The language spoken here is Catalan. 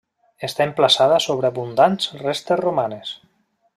Està emplaçada sobre abundants restes romanes.